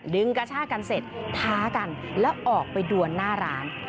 กระชากันเสร็จท้ากันแล้วออกไปดวนหน้าร้าน